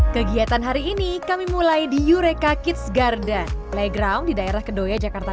kegiatan hari ini kami mulai di yureka kids garden playground di daerah kedoya jakarta